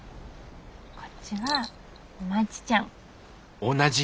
こっちはまちちゃん。